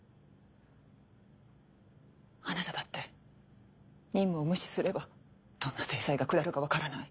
あなただって任務を無視すればどんな制裁が下るか分からない。